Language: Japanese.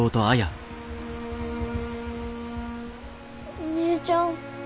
お姉ちゃん。